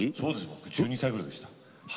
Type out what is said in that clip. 僕１２歳ぐらいでした。